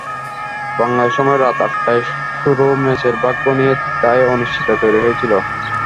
বাংলাদেশ সময় রাত আটটায় শুরু ম্যাচের ভাগ্য নিয়ে তাই অনিশ্চয়তা তৈরি হয়েছিল।